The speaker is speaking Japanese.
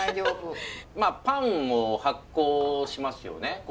まあパンも発酵しますよね。